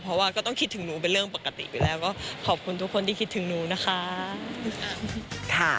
เพราะว่าก็ต้องคิดถึงหนูเป็นเรื่องปกติไปแล้วก็ขอบคุณทุกคนที่คิดถึงหนูนะคะ